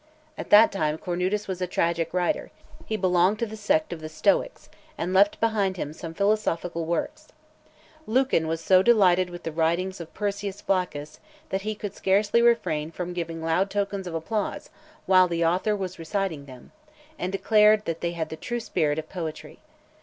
At that time Cornutus was a tragic writer; he belonged to the sect of the Stoics, and left behind him some philosophical works. Lucan was so delighted with the writings of Persius Flaccus, that he could scarcely refrain from giving loud tokens of applause while the author was reciting them, and declared that they had the true spirit of poetry.